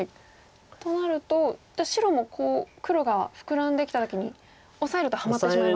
となるとじゃあ白も黒がフクラんできた時にオサえるとハマってしまいますか。